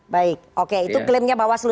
baik oke itu klaimnya bawaslu